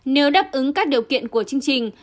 nếu đáp ứng các điều kiện của chương trình